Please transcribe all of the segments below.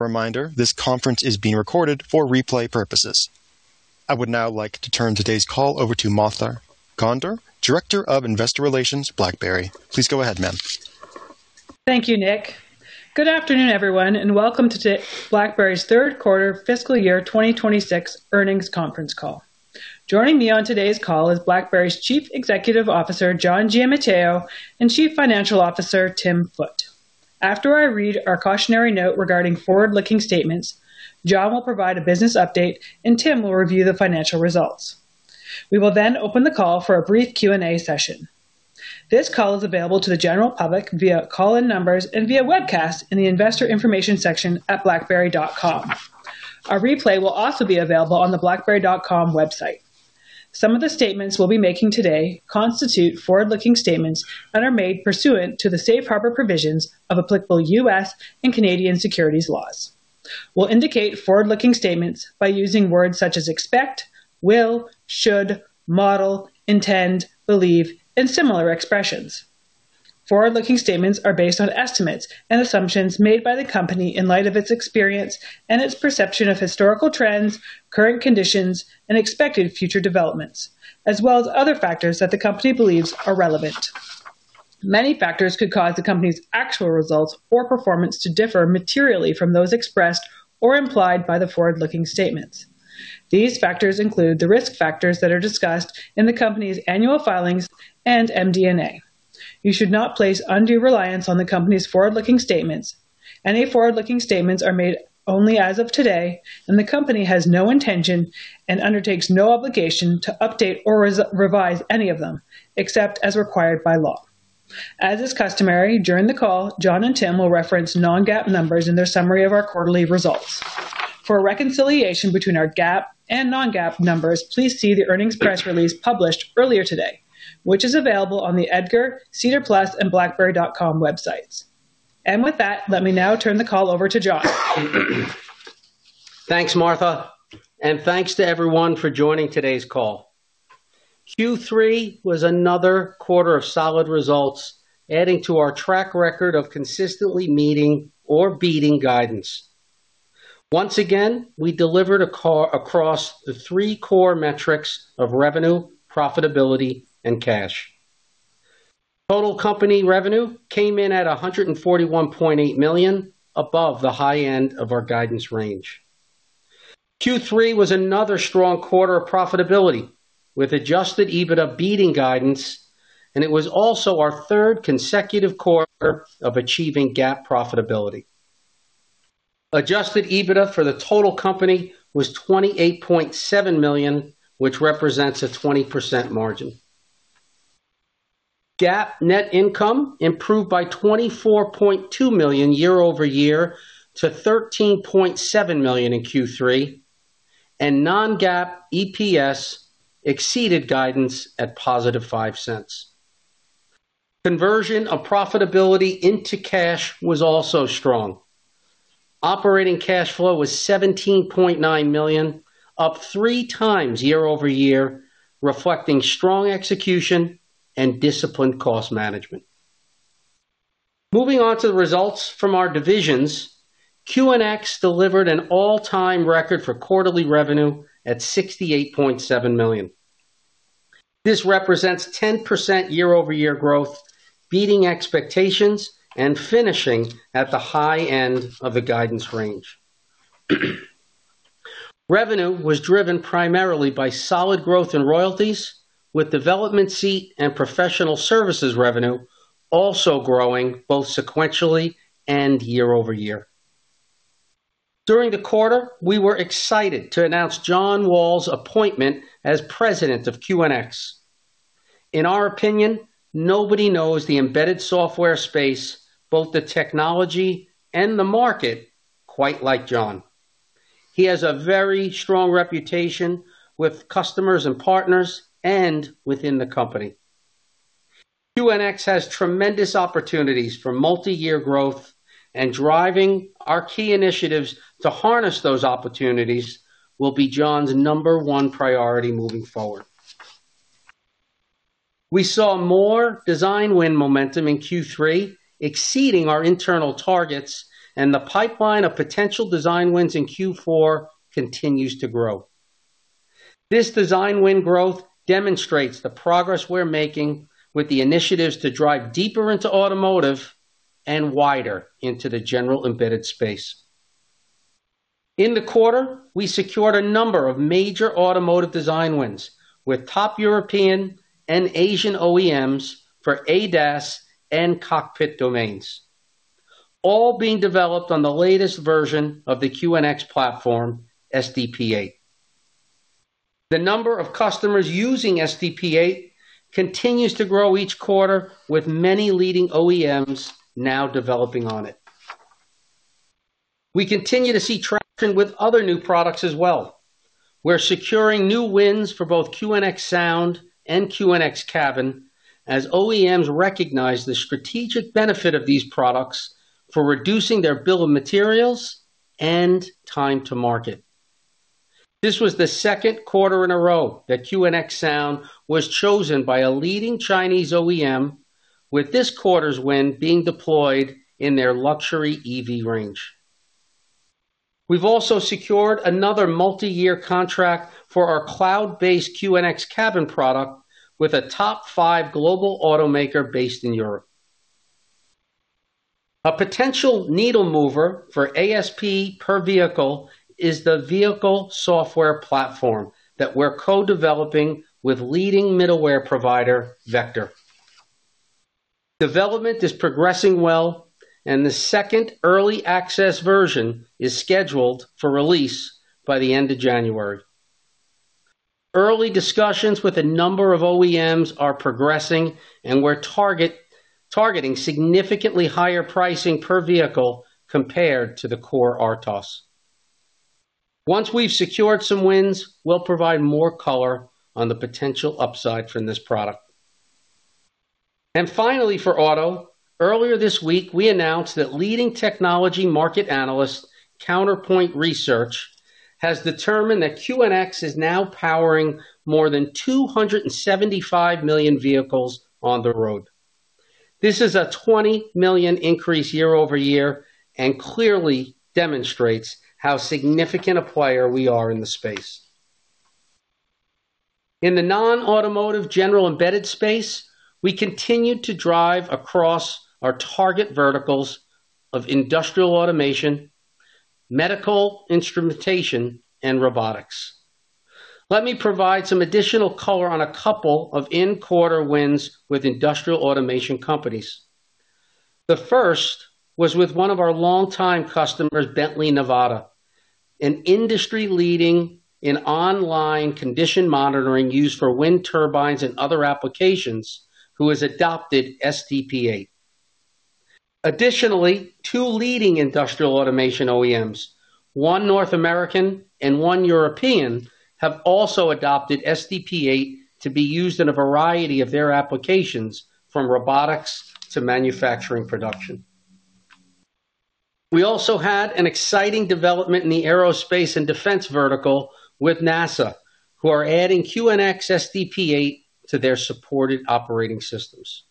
Reminder, this conference is being recorded for replay purposes. I would now like to turn today's call over to Martha Gonder, Director of Investor Relations, BlackBerry. Please go ahead, ma'am. Thank you, Nick. Good afternoon, everyone, and welcome to BlackBerry's Third Quarter Fiscal Year 2026 Earnings Conference Call. Joining me on today's call is BlackBerry's Chief Executive Officer, John Giamatteo, and Chief Financial Officer, Tim Foote. After I read our cautionary note regarding forward-looking statements, John will provide a business update, and Tim will review the financial results. We will then open the call for a brief Q&A session. This call is available to the general public via call-in numbers and via webcast in the investor information section at blackberry.com. A replay will also be available on the blackberry.com website. Some of the statements we'll be making today constitute forward-looking statements that are made pursuant to the safe harbor provisions of applicable U.S. and Canadian securities laws. We'll indicate forward-looking statements by using words such as expect, will, should, model, intend, believe, and similar expressions. Forward-looking statements are based on estimates and assumptions made by the company in light of its experience and its perception of historical trends, current conditions, and expected future developments, as well as other factors that the company believes are relevant. Many factors could cause the company's actual results or performance to differ materially from those expressed or implied by the forward-looking statements. These factors include the risk factors that are discussed in the company's annual filings and MD&A. You should not place undue reliance on the company's forward-looking statements. Any forward-looking statements are made only as of today, and the company has no intention and undertakes no obligation to update or revise any of them except as required by law. As is customary, during the call, John and Tim will reference non-GAAP numbers in their summary of our quarterly results. For reconciliation between our GAAP and non-GAAP numbers, please see the earnings press release published earlier today, which is available on the EDGAR, SEDAR+, and BlackBerry.com websites. And with that, let me now turn the call over to John. Thanks, Martha, and thanks to everyone for joining today's call. Q3 was another quarter of solid results, adding to our track record of consistently meeting or beating guidance. Once again, we delivered across the three core metrics of revenue, profitability, and cash. Total company revenue came in at $141.8 million, above the high end of our guidance range. Q3 was another strong quarter of profitability with adjusted EBITDA beating guidance, and it was also our third consecutive quarter of achieving GAAP profitability. Adjusted EBITDA for the total company was $28.7 million, which represents a 20% margin. GAAP net income improved by $24.2 million year over year to $13.7 million in Q3, and non-GAAP EPS exceeded guidance at positive $0.05. Conversion of profitability into cash was also strong. Operating cash flow was $17.9 million, up three times year over year, reflecting strong execution and disciplined cost management. Moving on to the results from our divisions, QNX delivered an all-time record for quarterly revenue at $68.7 million. This represents 10% year-over-year growth, beating expectations and finishing at the high end of the guidance range. Revenue was driven primarily by solid growth in royalties, with development seat and professional services revenue also growing both sequentially and year over year. During the quarter, we were excited to announce John Wall's appointment as president of QNX. In our opinion, nobody knows the embedded software space, both the technology and the market, quite like John. He has a very strong reputation with customers and partners and within the company. QNX has tremendous opportunities for multi-year growth, and driving our key initiatives to harness those opportunities will be John's number one priority moving forward. We saw more design win momentum in Q3, exceeding our internal targets, and the pipeline of potential design wins in Q4 continues to grow. This design win growth demonstrates the progress we're making with the initiatives to drive deeper into automotive and wider into the general embedded space. In the quarter, we secured a number of major automotive design wins with top European and Asian OEMs for ADAS and cockpit domains, all being developed on the latest version of the QNX platform, SDP8. The number of customers using SDP8 continues to grow each quarter, with many leading OEMs now developing on it. We continue to see traction with other new products as well. We're securing new wins for both QNX Sound and QNX Cabin as OEMs recognize the strategic benefit of these products for reducing their bill of materials and time to market. This was the second quarter in a row that QNX Sound was chosen by a leading Chinese OEM, with this quarter's win being deployed in their luxury EV range. We've also secured another multi-year contract for our cloud-based QNX Cabin product with a top five global automaker based in Europe. A potential needle mover for ASP per vehicle is the vehicle software platform that we're co-developing with leading middleware provider Vector. Development is progressing well, and the second early access version is scheduled for release by the end of January. Early discussions with a number of OEMs are progressing, and we're targeting significantly higher pricing per vehicle compared to the core RTOS. Once we've secured some wins, we'll provide more color on the potential upside from this product. Finally, for auto, earlier this week, we announced that leading technology market analyst, Counterpoint Research, has determined that QNX is now powering more than 275 million vehicles on the road. This is a 20 million increase year over year and clearly demonstrates how significant a player we are in the space. In the non-automotive general embedded space, we continue to drive across our target verticals of industrial automation, medical instrumentation, and robotics. Let me provide some additional color on a couple of in-quarter wins with industrial automation companies. The first was with one of our longtime customers, Bently Nevada, an industry-leading in online condition monitoring used for wind turbines and other applications who has adopted SDP8. Additionally, two leading industrial automation OEMs, one North American and one European, have also adopted SDP8 to be used in a variety of their applications, from robotics to manufacturing production. We also had an exciting development in the aerospace and defense vertical with NASA, who are adding QNX SDP8 to their supported operating systems.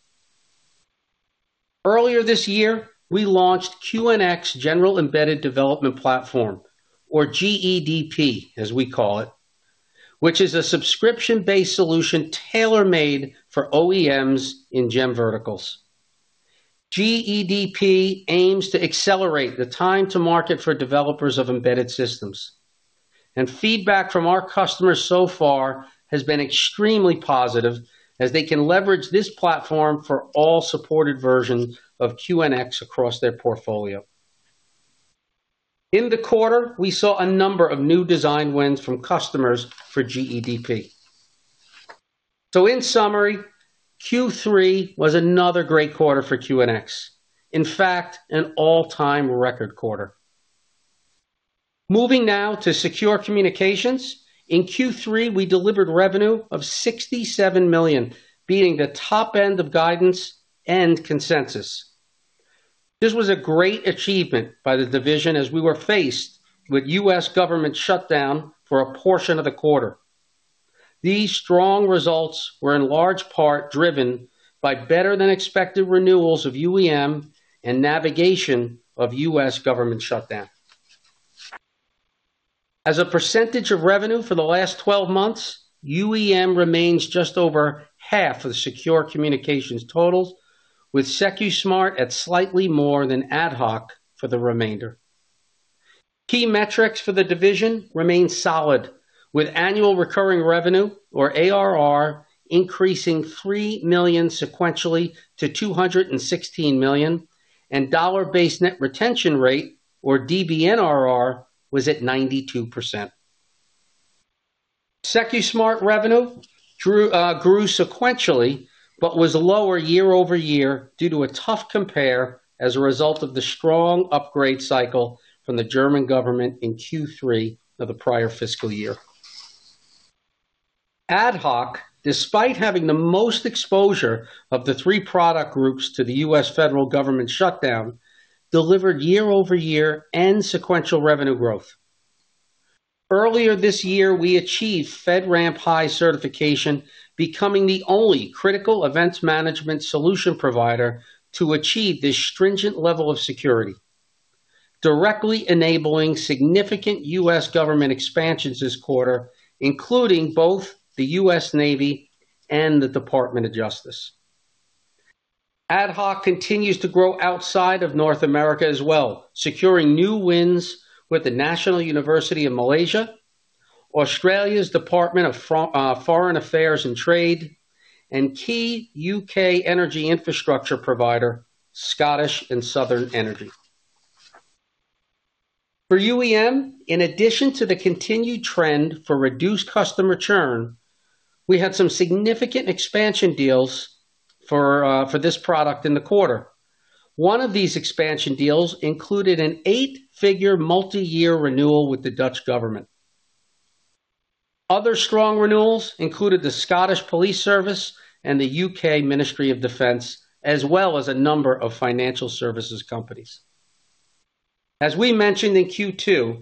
Earlier this year, we launched QNX General Embedded Development Platform, or GEDP, as we call it, which is a subscription-based solution tailor-made for OEMs in GEM verticals. GEDP aims to accelerate the time to market for developers of embedded systems, and feedback from our customers so far has been extremely positive as they can leverage this platform for all supported versions of QNX across their portfolio. In the quarter, we saw a number of new design wins from customers for GEDP. So in summary, Q3 was another great quarter for QNX, in fact, an all-time record quarter. Moving now to Secure Communications, in Q3, we delivered revenue of $67 million, beating the top end of guidance and consensus. This was a great achievement by the division as we were faced with U.S. government shutdown for a portion of the quarter. These strong results were in large part driven by better-than-expected renewals of UEM and navigation of U.S. government shutdown. As a percentage of revenue for the last 12 months, UEM remains just over half of the Secure Communications totals, with Secusmart at slightly more than AtHoc for the remainder. Key metrics for the division remain solid, with annual recurring revenue, or ARR, increasing $3 million sequentially to $216 million, and dollar-based net retention rate, or DBNRR, was at 92%. Secusmart revenue grew sequentially but was lower year over year due to a tough compare as a result of the strong upgrade cycle from the German government in Q3 of the prior fiscal year. AtHoc, despite having the most exposure of the three product groups to the U.S. federal government shutdown, delivered year-over-year and sequential revenue growth. Earlier this year, we achieved FedRAMP High certification, becoming the only critical events management solution provider to achieve this stringent level of security, directly enabling significant U.S. government expansions this quarter, including both the U.S. Navy and the Department of Justice. AtHoc continues to grow outside of North America as well, securing new wins with the National University of Malaysia, Australia's Department of Foreign Affairs and Trade, and key U.K. energy infrastructure provider, Scottish and Southern Energy. For UEM, in addition to the continued trend for reduced customer churn, we had some significant expansion deals for this product in the quarter. One of these expansion deals included an eight-figure multi-year renewal with the Dutch government. Other strong renewals included the Scottish Police Service and the U.K. Ministry of Defense, as well as a number of financial services companies. As we mentioned in Q2,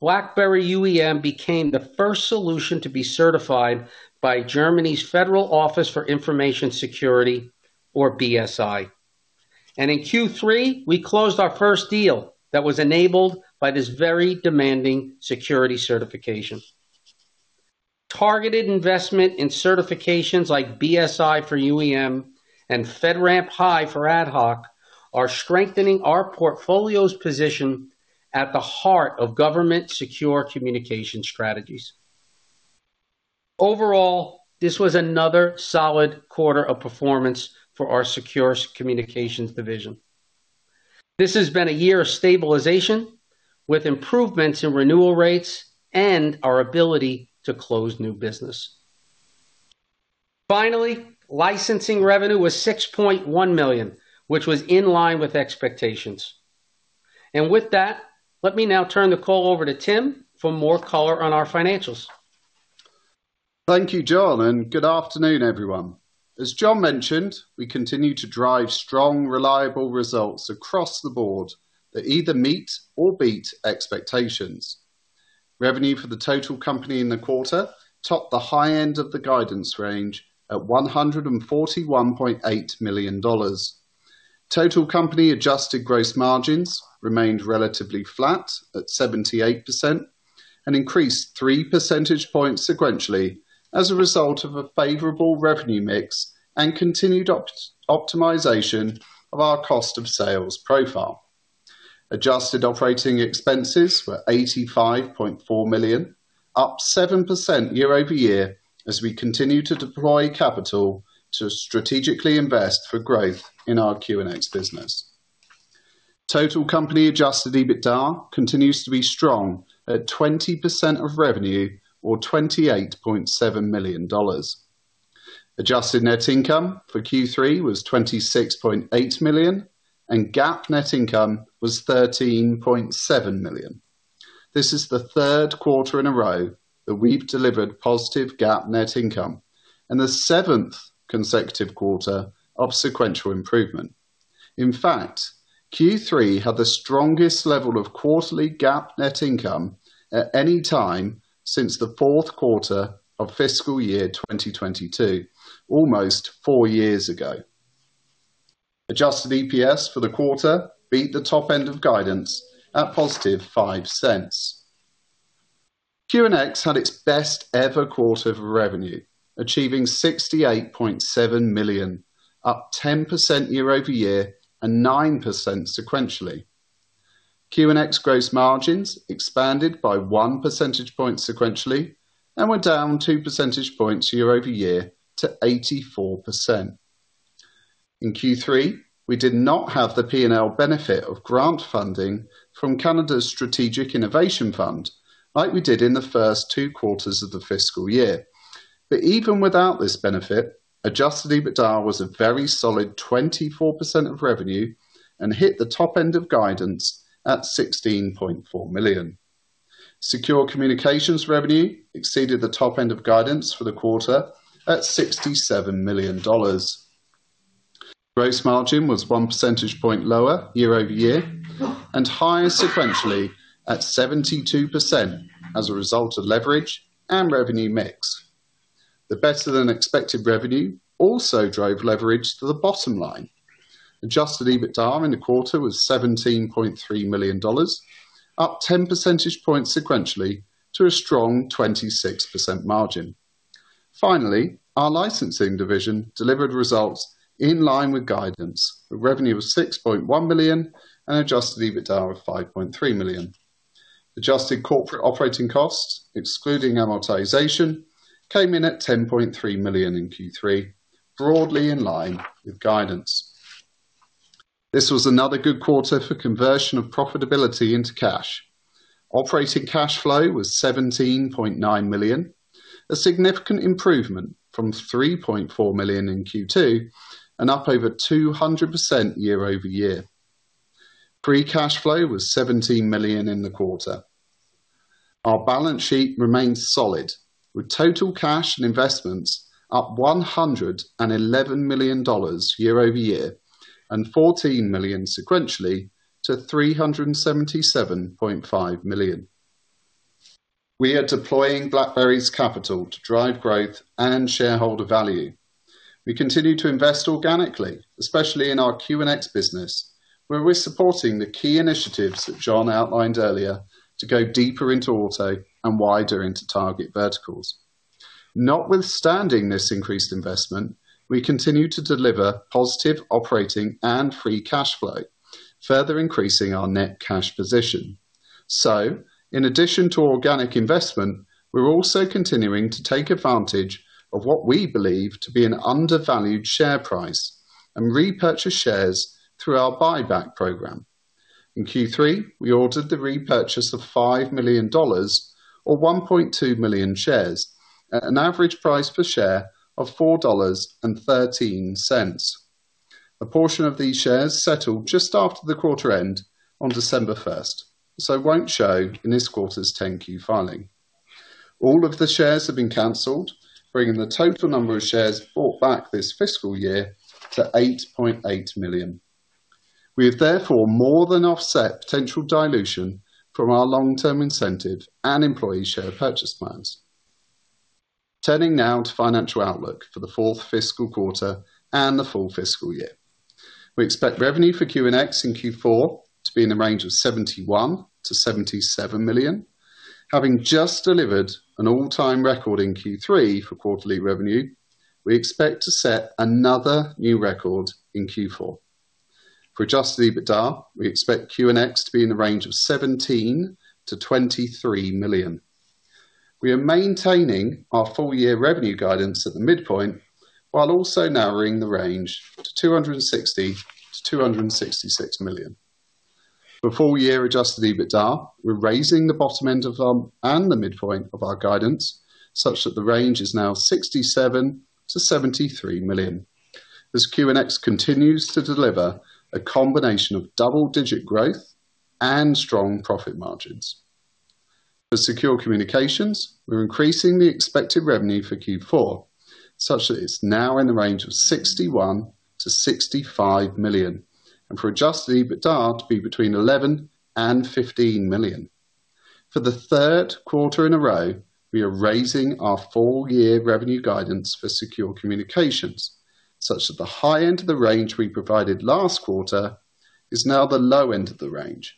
BlackBerry UEM became the first solution to be certified by Germany's Federal Office for Information Security, or BSI. And in Q3, we closed our first deal that was enabled by this very demanding security certification. Targeted investment in certifications like BSI for UEM and FedRAMP High for AtHoc are strengthening our portfolio's position at the heart of government Secure Communication strategies. Overall, this was another solid quarter of performance for our Secure Communications division. This has been a year of stabilization with improvements in renewal rates and our ability to close new business. Finally, licensing revenue was $6.1 million, which was in line with expectations. With that, let me now turn the call over to Tim for more color on our financials. Thank you, John, and good afternoon, everyone. As John mentioned, we continue to drive strong, reliable results across the board that either meet or beat expectations. Revenue for the total company in the quarter topped the high end of the guidance range at $141.8 million. Total company adjusted gross margins remained relatively flat at 78% and increased 3 percentage points sequentially as a result of a favorable revenue mix and continued optimization of our cost of sales profile. Adjusted operating expenses were $85.4 million, up 7% year over year as we continue to deploy capital to strategically invest for growth in our QNX business. Total company adjusted EBITDA continues to be strong at 20% of revenue, or $28.7 million. Adjusted net income for Q3 was $26.8 million, and GAAP net income was $13.7 million. This is the third quarter in a row that we've delivered positive GAAP net income and the seventh consecutive quarter of sequential improvement. In fact, Q3 had the strongest level of quarterly GAAP net income at any time since the fourth quarter of fiscal year 2022, almost four years ago. Adjusted EPS for the quarter beat the top end of guidance at positive $0.05. QNX had its best-ever quarter of revenue, achieving $68.7 million, up 10% year over year and 9% sequentially. QNX gross margins expanded by one percentage point sequentially and were down two percentage points year over year to 84%. In Q3, we did not have the P&L benefit of grant funding from Canada's Strategic Innovation Fund like we did in the first two quarters of the fiscal year. But even without this benefit, Adjusted EBITDA was a very solid 24% of revenue and hit the top end of guidance at $16.4 million. Secure Communications revenue exceeded the top end of guidance for the quarter at $67 million. Gross margin was 1 percentage point lower year over year and higher sequentially at 72% as a result of leverage and revenue mix. The better-than-expected revenue also drove leverage to the bottom line. Adjusted EBITDA in the quarter was $17.3 million, up 10 percentage points sequentially to a strong 26% margin. Finally, our licensing division delivered results in line with guidance, with revenue of $6.1 million and Adjusted EBITDA of $5.3 million. Adjusted corporate operating costs, excluding amortization, came in at $10.3 million in Q3, broadly in line with guidance. This was another good quarter for conversion of profitability into cash. Operating cash flow was $17.9 million, a significant improvement from $3.4 million in Q2 and up over 200% year over year. Free cash flow was $17 million in the quarter. Our balance sheet remained solid, with total cash and investments up $111 million year over year and $14 million sequentially to $377.5 million. We are deploying BlackBerry's capital to drive growth and shareholder value. We continue to invest organically, especially in our QNX business, where we're supporting the key initiatives that John outlined earlier to go deeper into auto and wider into target verticals. Notwithstanding this increased investment, we continue to deliver positive operating and free cash flow, further increasing our net cash position, so in addition to organic investment, we're also continuing to take advantage of what we believe to be an undervalued share price and repurchase shares through our buyback program. In Q3, we ordered the repurchase of $5 million, or 1.2 million, shares at an average price per share of $4.13. A portion of these shares settled just after the quarter end on December 1st, so it won't show in this quarter's 10-Q filing. All of the shares have been canceled, bringing the total number of shares bought back this fiscal year to 8.8 million. We have therefore more than offset potential dilution from our long-term incentive and employee share purchase plans. Turning now to financial outlook for the fourth fiscal quarter and the full fiscal year. We expect revenue for QNX in Q4 to be in the range of $71-$77 million. Having just delivered an all-time record in Q3 for quarterly revenue, we expect to set another new record in Q4. For Adjusted EBITDA, we expect QNX to be in the range of $17-$23 million. We are maintaining our full-year revenue guidance at the midpoint while also narrowing the range to $260-$266 million. For full-year adjusted EBITDA, we're raising the bottom end of the range and the midpoint of our guidance such that the range is now $67-$73 million. As QNX continues to deliver a combination of double-digit growth and strong profit margins. For Secure Communications, we're increasing the expected revenue for Q4 such that it's now in the range of $61-$65 million and for adjusted EBITDA to be between $11 and $15 million. For the third quarter in a row, we are raising our full-year revenue guidance for Secure Communications such that the high end of the range we provided last quarter is now the low end of the range,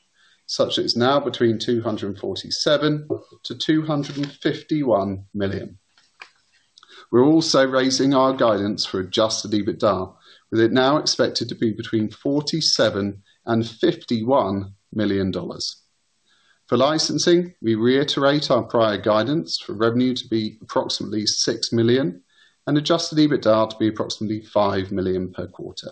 such that it's now between $247 and $251 million. We're also raising our guidance for adjusted EBITDA, with it now expected to be between $47 and $51 million. For licensing, we reiterate our prior guidance for revenue to be approximately $6 million and adjusted EBITDA to be approximately $5 million per quarter.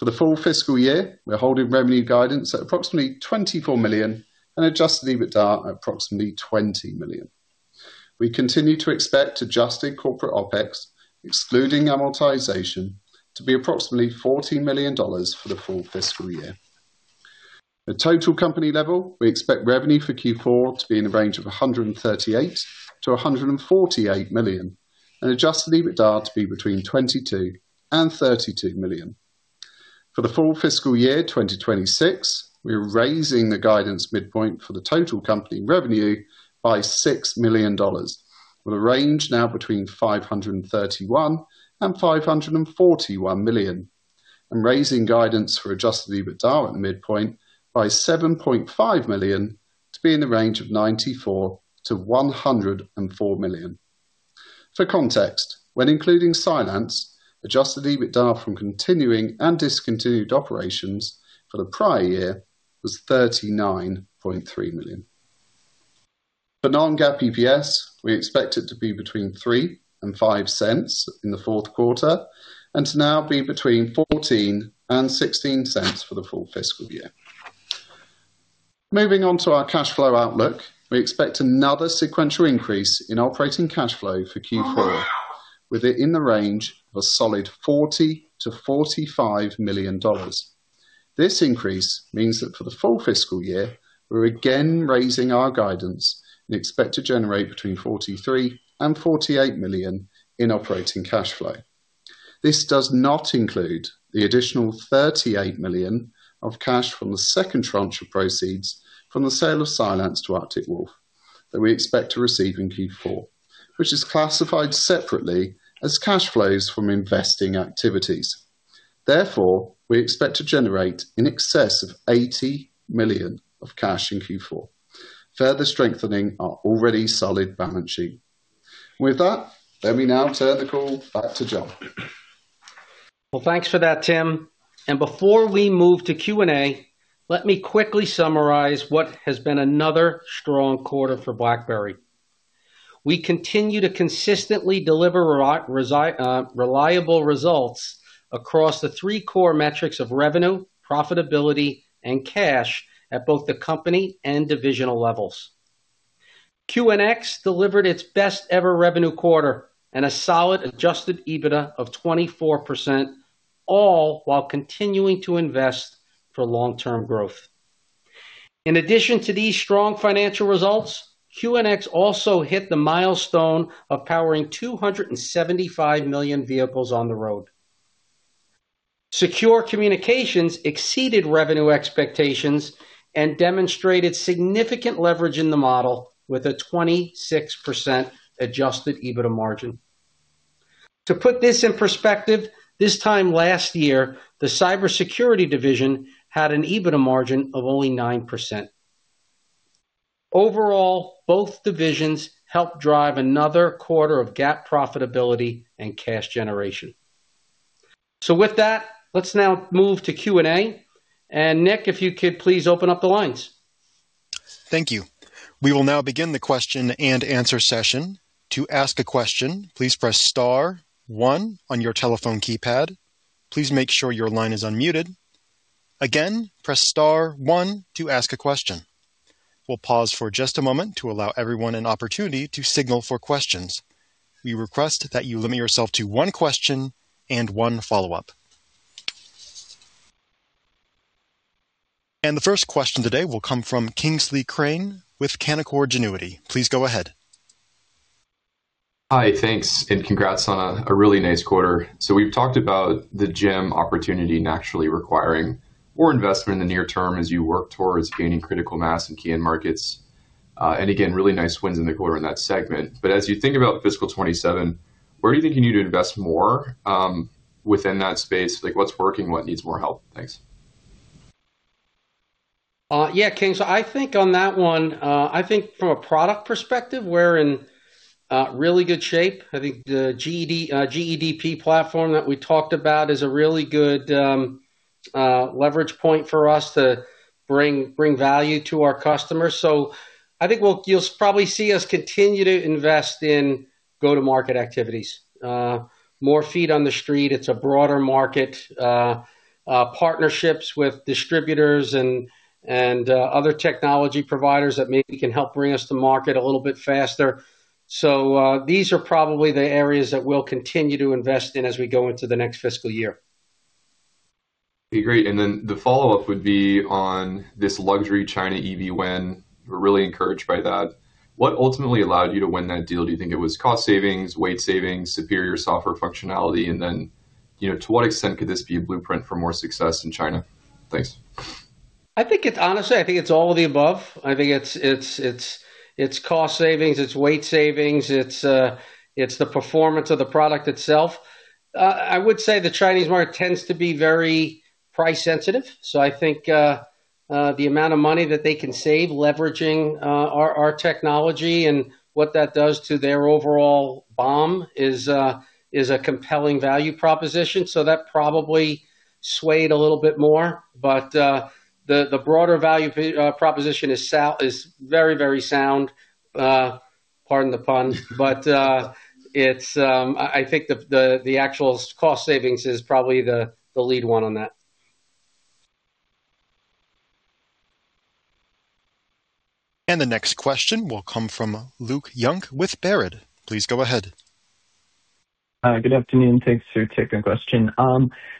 For the full fiscal year, we're holding revenue guidance at approximately $24 million and adjusted EBITDA at approximately $20 million. We continue to expect adjusted corporate OpEx, excluding amortization, to be approximately $14 million for the full fiscal year. At total company level, we expect revenue for Q4 to be in the range of $138 to $148 million and adjusted EBITDA to be between $22 and $32 million. For the full fiscal year 2026, we are raising the guidance midpoint for the total company revenue by $6 million, with a range now between $531-$541 million, and raising guidance for adjusted EBITDA at the midpoint by $7.5 million to be in the range of $94-$104 million. For context, when including Cylance, adjusted EBITDA from continuing and discontinued operations for the prior year was $39.3 million. For non-GAAP EPS, we expect it to be between $0.03-$0.05 in the fourth quarter and to now be between $0.14-$0.16 for the full fiscal year. Moving on to our cash flow outlook, we expect another sequential increase in operating cash flow for Q4, with it in the range of a solid $40-$45 million. This increase means that for the full fiscal year, we're again raising our guidance and expect to generate between $43 and $48 million in operating cash flow. This does not include the additional $38 million of cash from the second tranche of proceeds from the sale of Cylance to Arctic Wolf that we expect to receive in Q4, which is classified separately as cash flows from investing activities. Therefore, we expect to generate in excess of $80 million of cash in Q4, further strengthening our already solid balance sheet. With that, let me now turn the call back to John. Thanks for that, Tim. And before we move to Q&A, let me quickly summarize what has been another strong quarter for BlackBerry. We continue to consistently deliver reliable results across the three core metrics of revenue, profitability, and cash at both the company and divisional levels. QNX delivered its best-ever revenue quarter and a solid Adjusted EBITDA of 24%, all while continuing to invest for long-term growth. In addition to these strong financial results, QNX also hit the milestone of powering 275 million vehicles on the road. Secure Communications exceeded revenue expectations and demonstrated significant leverage in the model with a 26% Adjusted EBITDA margin. To put this in perspective, this time last year, the cybersecurity division had an EBITDA margin of only 9%. Overall, both divisions helped drive another quarter of GAAP profitability and cash generation. With that, let's now move to Q&A. Nick, if you could please open up the lines. Thank you. We will now begin the question and answer session. To ask a question, please press star one on your telephone keypad. Please make sure your line is unmuted. Again, press star one to ask a question. We'll pause for just a moment to allow everyone an opportunity to signal for questions. We request that you limit yourself to one question and one follow-up. And the first question today will come from Kingsley Crane with Canaccord Genuity. Please go ahead. Hi, thanks, and congrats on a really nice quarter. So we've talked about the GEM opportunity naturally requiring more investment in the near term as you work towards gaining critical mass in key end markets. And again, really nice wins in the quarter in that segment. But as you think about fiscal 2027, where do you think you need to invest more within that space? Like what's working, what needs more help? Thanks. Yeah, Kingsley, I think on that one, I think from a product perspective, we're in really good shape. I think the GEDP platform that we talked about is a really good leverage point for us to bring value to our customers. So I think you'll probably see us continue to invest in go-to-market activities, more feet on the street. It's a broader market, partnerships with distributors and other technology providers that maybe can help bring us to market a little bit faster. So these are probably the areas that we'll continue to invest in as we go into the next fiscal year. Okay, great. And then the follow-up would be on this Luxury China EV win. We're really encouraged by that. What ultimately allowed you to win that deal? Do you think it was cost savings, weight savings, superior software functionality, and then to what extent could this be a blueprint for more success in China? Thanks. I think it's honestly, I think it's all of the above. I think it's cost savings, it's weight savings, it's the performance of the product itself. I would say the Chinese market tends to be very price sensitive. So I think the amount of money that they can save leveraging our technology and what that does to their overall BOM is a compelling value proposition. So that probably swayed a little bit more. But the broader value proposition is very, very sound, pardon the pun. But I think the actual cost savings is probably the lead one on that. And the next question will come from Luke Junk with Baird. Please go ahead. Hi, good afternoon. Thanks for taking the question.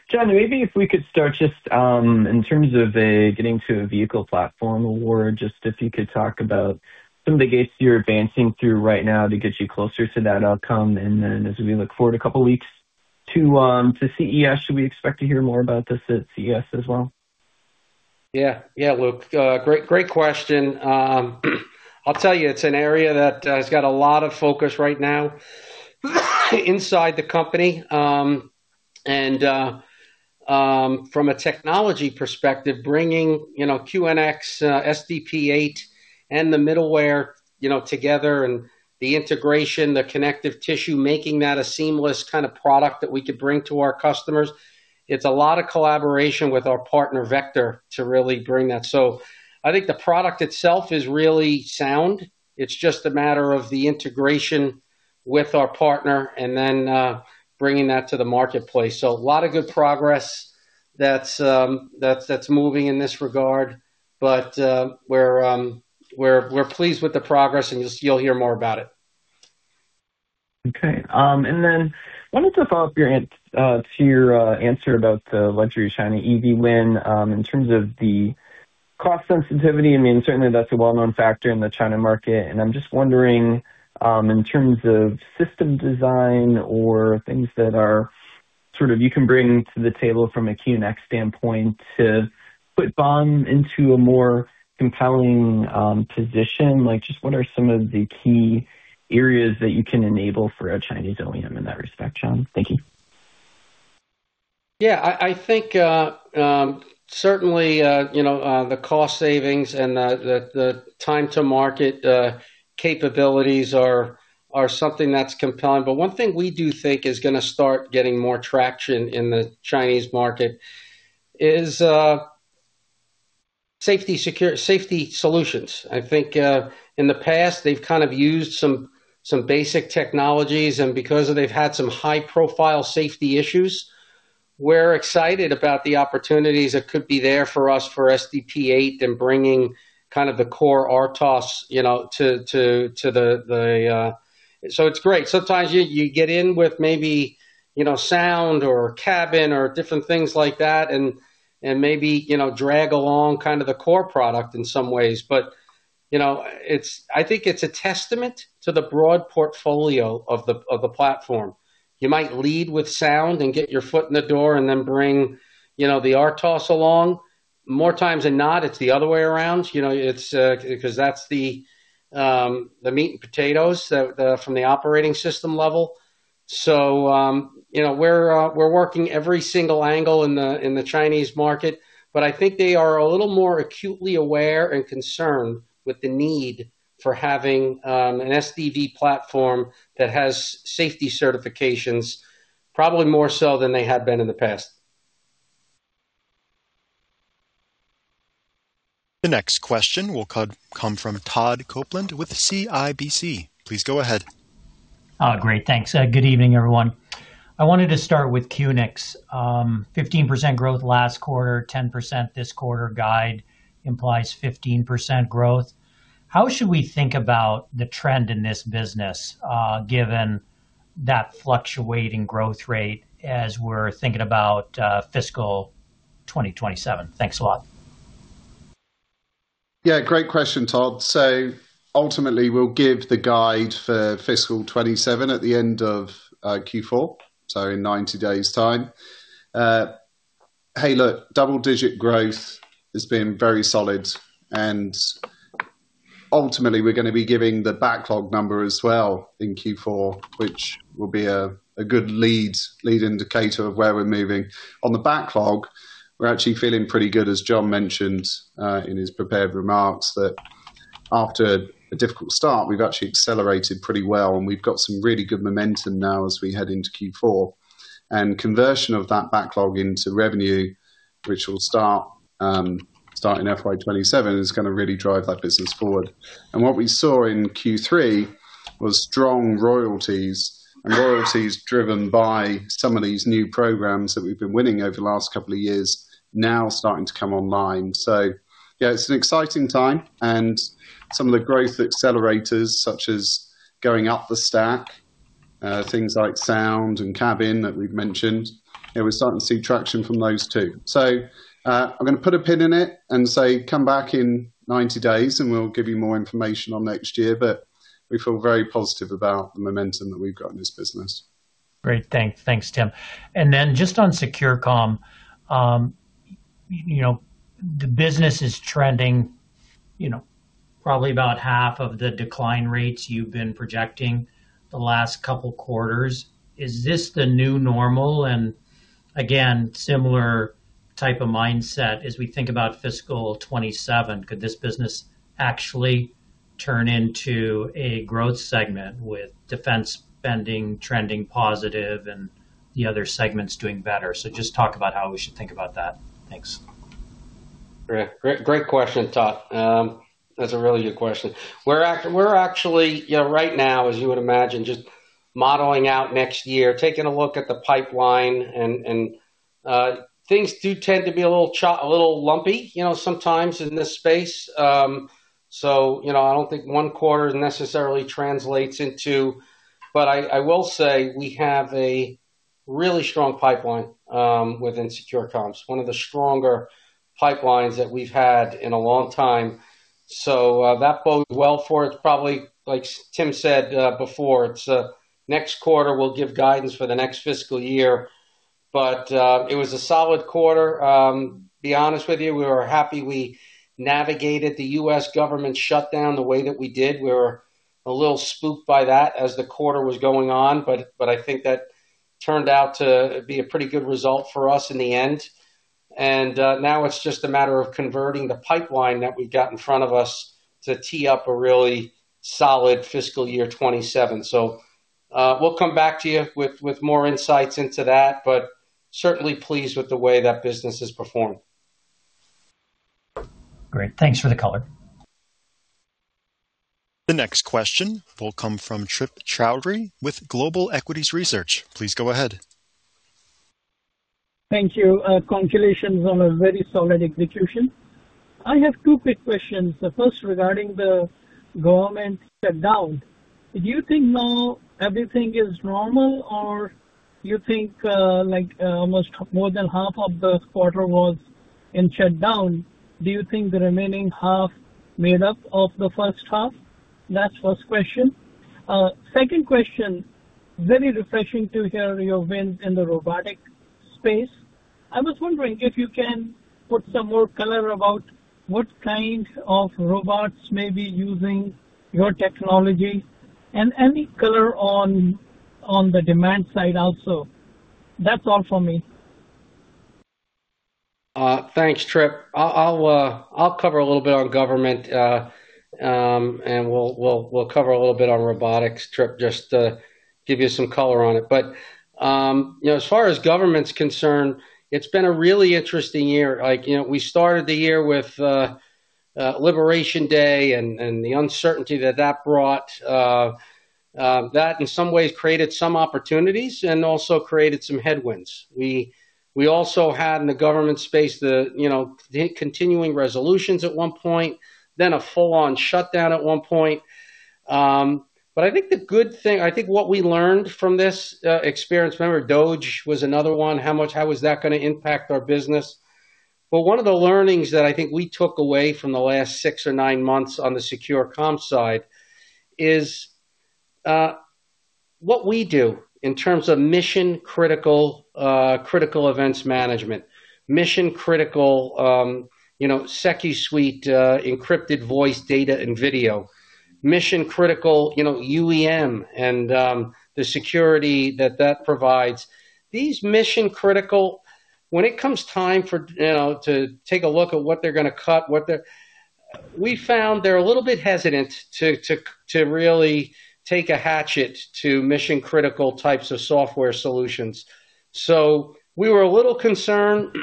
John, maybe if we could start just in terms of getting to a vehicle platform award, just if you could talk about some of the gates you're advancing through right now to get you closer to that outcome, and then as we look forward a couple of weeks to CES, should we expect to hear more about this at CES as well? Yeah, yeah, Luke, great question. I'll tell you, it's an area that has got a lot of focus right now inside the company. And from a technology perspective, bringing QNX, SDP8, and the middleware together and the integration, the connective tissue, making that a seamless kind of product that we could bring to our customers, it's a lot of collaboration with our partner Vector to really bring that. So I think the product itself is really sound. It's just a matter of the integration with our partner and then bringing that to the marketplace. So a lot of good progress that's moving in this regard. But we're pleased with the progress, and you'll hear more about it. Okay. And then I wanted to follow up to your answer about the luxury China EV win in terms of the cost sensitivity. I mean, certainly that's a well-known factor in the China market. And I'm just wondering in terms of system design or things that are sort of you can bring to the table from a QNX standpoint to put BOM into a more compelling position. Just what are some of the key areas that you can enable for a Chinese OEM in that respect, John? Thank you. Yeah, I think certainly the cost savings and the time-to-market capabilities are something that's compelling. But one thing we do think is going to start getting more traction in the Chinese market is safety solutions. I think in the past, they've kind of used some basic technologies. And because they've had some high-profile safety issues, we're excited about the opportunities that could be there for us for SDP8 and bringing kind of the core RTOS to the, so it's great. Sometimes you get in with maybe sound or cabin or different things like that and maybe drag along kind of the core product in some ways. But I think it's a testament to the broad portfolio of the platform. You might lead with sound and get your foot in the door and then bring the RTOS along. More times than not, it's the other way around because that's the meat and potatoes from the operating system level. So we're working every single angle in the Chinese market. But I think they are a little more acutely aware and concerned with the need for having an SDV platform that has safety certifications, probably more so than they had been in the past. The next question will come from Todd Coupland with CIBC. Please go ahead. Oh, great. Thanks. Good evening, everyone. I wanted to start with QNX. 15% growth last quarter, 10% this quarter, guide implies 15% growth. How should we think about the trend in this business given that fluctuating growth rate as we're thinking about fiscal 2027? Thanks a lot. Yeah, great question, Todd. So ultimately, we'll give the guide for fiscal 2027 at the end of Q4, so in 90 days' time. Hey, look, double-digit growth has been very solid. Ultimately, we're going to be giving the backlog number as well in Q4, which will be a good lead indicator of where we're moving. On the backlog, we're actually feeling pretty good, as John mentioned in his prepared remarks, that after a difficult start, we've actually accelerated pretty well. We've got some really good momentum now as we head into Q4. Conversion of that backlog into revenue, which will start in FY2027, is going to really drive that business forward. What we saw in Q3 was strong royalties and royalties driven by some of these new programs that we've been winning over the last couple of years now starting to come online. So yeah, it's an exciting time. And some of the growth accelerators, such as going up the stack, things like sound and cabin that we've mentioned, we're starting to see traction from those too. So I'm going to put a pin in it and say, come back in 90 days, and we'll give you more information on next year. But we feel very positive about the momentum that we've got in this business. Great. Thanks, Tim. And then just on Secusmart, the business is trending probably about half of the decline rates you've been projecting the last couple of quarters. Is this the new normal? And again, similar type of mindset as we think about fiscal 27, could this business actually turn into a growth segment with defense spending trending positive and the other segments doing better? So just talk about how we should think about that. Thanks. Great question, Todd. That's a really good question. We're actually right now, as you would imagine, just modeling out next year, taking a look at the pipeline, and things do tend to be a little lumpy sometimes in this space, so I don't think one quarter necessarily translates into, but I will say we have a really strong pipeline within Secure Comms, one of the stronger pipelines that we've had in a long time, so that bodes well for us. Probably, like Tim said before, next quarter will give guidance for the next fiscal year, but it was a solid quarter. To be honest with you, we were happy we navigated the U.S. government shutdown the way that we did. We were a little spooked by that as the quarter was going on, but I think that turned out to be a pretty good result for us in the end. Now it's just a matter of converting the pipeline that we've got in front of us to tee up a really solid fiscal year 2027. We'll come back to you with more insights into that, but certainly pleased with the way that business has performed. Great. Thanks for the color. The next question will come from Trip Chowdhury with Global Equities Research. Please go ahead. Thank you. Congratulations on a very solid execution. I have two quick questions. The first regarding the government shutdown. Do you think now everything is normal, or do you think almost more than half of the quarter was in shutdown? Do you think the remaining half made up of the first half? That's the first question. Second question, very refreshing to hear your wins in the robotic space. I was wondering if you can put some more color about what kind of robots may be using your technology and any color on the demand side also. That's all for me. Thanks, Trip. I'll cover a little bit on government, and we'll cover a little bit on robotics, Trip, just to give you some color on it. But as far as government's concerned, it's been a really interesting year. We started the year with Liberation Day and the uncertainty that that brought. That in some ways created some opportunities and also created some headwinds. We also had in the government space the continuing resolutions at one point, then a full-on shutdown at one point. But I think the good thing, I think what we learned from this experience, remember, DOGE was another one. How was that going to impact our business? But one of the learnings that I think we took away from the last six or nine months on the Secure Comm side is what we do in terms of mission-critical events management, mission-critical SecuSUITE encrypted voice, data, and video, mission-critical UEM and the security that that provides. These mission-critical, when it comes time to take a look at what they're going to cut, we found they're a little bit hesitant to really take a hatchet to mission-critical types of software solutions. So we were a little concerned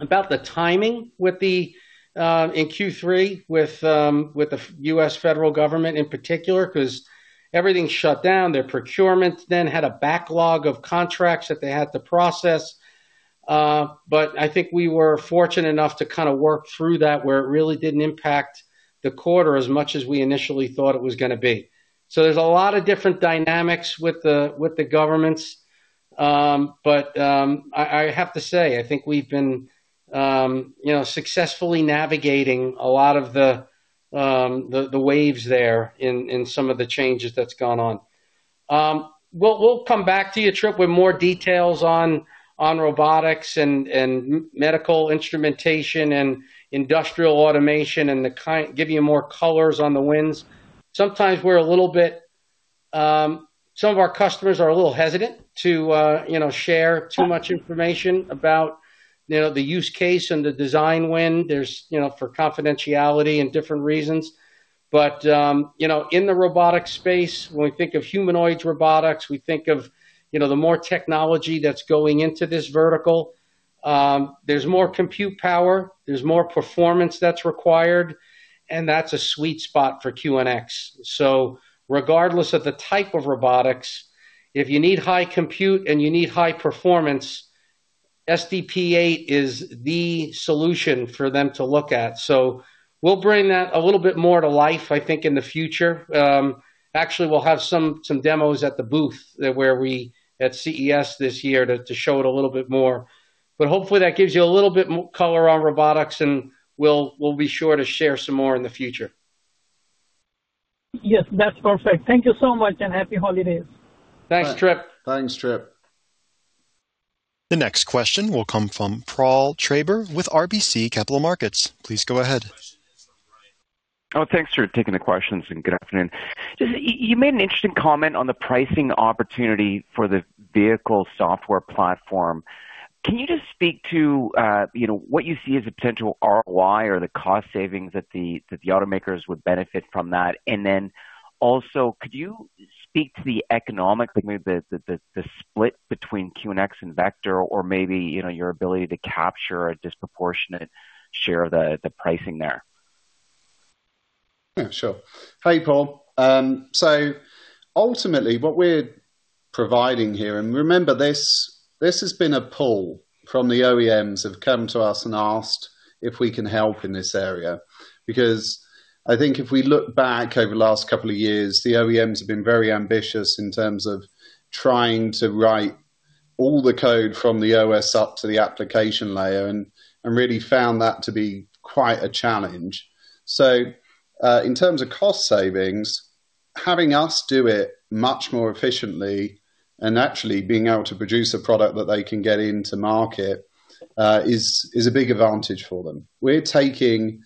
about the timing in Q3 with the U.S. federal government in particular because everything shut down. Their procurement then had a backlog of contracts that they had to process. But I think we were fortunate enough to kind of work through that where it really didn't impact the quarter as much as we initially thought it was going to be. So there's a lot of different dynamics with the governments. But I have to say, I think we've been successfully navigating a lot of the waves there in some of the changes that's gone on. We'll come back to you, Trip, with more details on robotics and medical instrumentation and industrial automation and give you more colors on the wins. Sometimes we're a little bit some of our customers are a little hesitant to share too much information about the use case and the design win for confidentiality and different reasons. But in the robotics space, when we think of humanoids robotics, we think of the more technology that's going into this vertical. There's more compute power. There's more performance that's required. And that's a sweet spot for QNX. So regardless of the type of robotics, if you need high compute and you need high performance, SDP8 is the solution for them to look at. So we'll bring that a little bit more to life, I think, in the future. Actually, we'll have some demos at the booth at CES this year to show it a little bit more. But hopefully, that gives you a little bit more color on robotics. And we'll be sure to share some more in the future. Yes, that's perfect. Thank you so much and happy holidays. Thanks, Trip. Thanks, Trip. The next question will come from Paul Treiber with RBC Capital Markets. Please go ahead. Oh, thanks for taking the questions and good afternoon. You made an interesting comment on the pricing opportunity for the vehicle software platform. Can you just speak to what you see as a potential ROI or the cost savings that the automakers would benefit from that? And then also, could you speak to the economic, the split between QNX and Vector, or maybe your ability to capture a disproportionate share of the pricing there? Yeah, sure. Hey, Paul. So ultimately, what we're providing here, and remember, this has been a pull from the OEMs who have come to us and asked if we can help in this area. Because I think if we look back over the last couple of years, the OEMs have been very ambitious in terms of trying to write all the code from the OS up to the application layer and really found that to be quite a challenge. So in terms of cost savings, having us do it much more efficiently and actually being able to produce a product that they can get into market is a big advantage for them. We're taking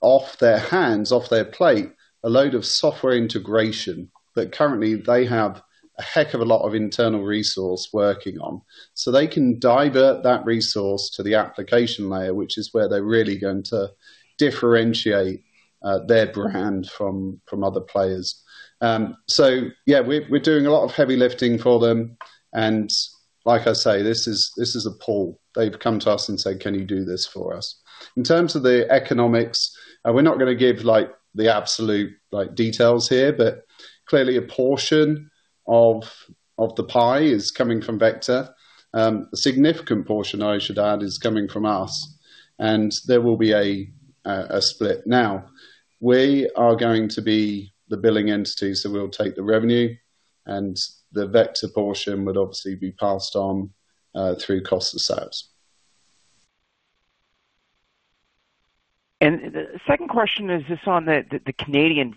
off their hands, off their plate, a load of software integration that currently they have a heck of a lot of internal resource working on. So they can divert that resource to the application layer, which is where they're really going to differentiate their brand from other players. So yeah, we're doing a lot of heavy lifting for them. And like I say, this is a pull. They've come to us and said, "Can you do this for us?" In terms of the economics, we're not going to give the absolute details here, but clearly a portion of the pie is coming from Vector. A significant portion, I should add, is coming from us. And there will be a split. Now, we are going to be the billing entity. So we'll take the revenue. And the Vector portion would obviously be passed on through cost of sales. And the second question is just on the Canadian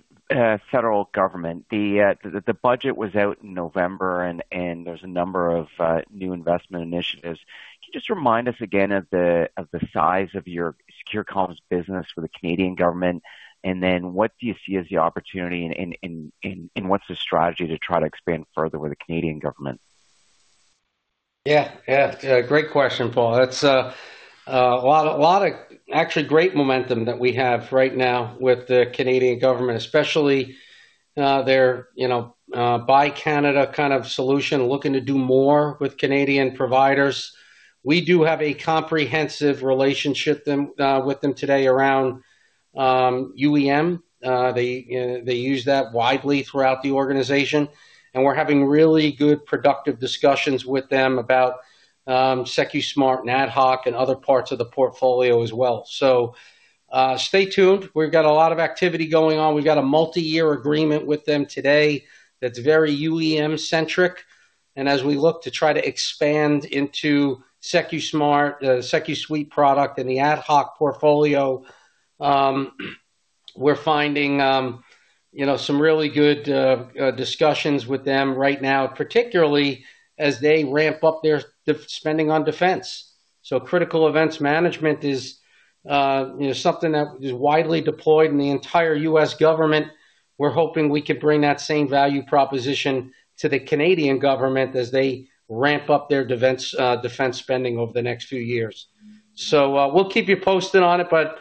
federal government. The budget was out in November, and there's a number of new investment initiatives. Can you just remind us again of the size of your Secure Comms business with the Canadian government? And then what do you see as the opportunity and what's the strategy to try to expand further with the Canadian government? Yeah, yeah. Great question, Paul. That's a lot of actually great momentum that we have right now with the Canadian government, especially their Buy Canada kind of solution, looking to do more with Canadian providers. We do have a comprehensive relationship with them today around UEM. They use that widely throughout the organization. And we're having really good productive discussions with them about Secusmart and AtHoc and other parts of the portfolio as well. So stay tuned. We've got a lot of activity going on. We've got a multi-year agreement with them today that's very UEM-centric. And as we look to try to expand into Secusmart, SecuSUITE product, and the AtHoc portfolio, we're finding some really good discussions with them right now, particularly as they ramp up their spending on defense. Critical events management is something that is widely deployed in the entire U.S. government. We're hoping we can bring that same value proposition to the Canadian government as they ramp up their defense spending over the next few years. So we'll keep you posted on it. But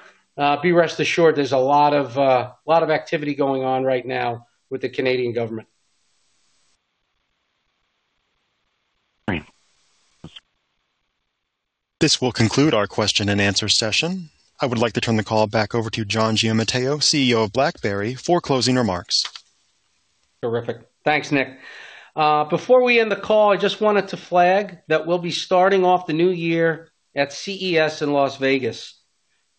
be rest assured, there's a lot of activity going on right now with the Canadian government. This will conclude our question and answer session. I would like to turn the call back over to John Giamatteo, CEO of BlackBerry, for closing remarks. Terrific. Thanks, Nick. Before we end the call, I just wanted to flag that we'll be starting off the new year at CES in Las Vegas.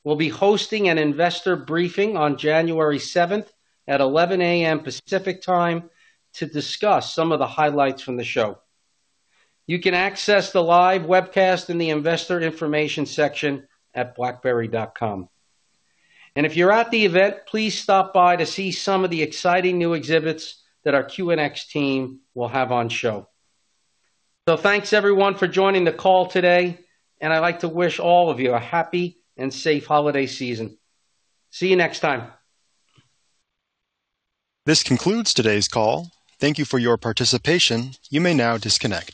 We'll be hosting an investor briefing on January 7th at 11:00 A.M. Pacific Time to discuss some of the highlights from the show. You can access the live webcast in the investor information section at BlackBerry.com, and if you're at the event, please stop by to see some of the exciting new exhibits that our QNX team will have on show, so thanks, everyone, for joining the call today, and I'd like to wish all of you a happy and safe holiday season. See you next time. This concludes today's call. Thank you for your participation. You may now disconnect.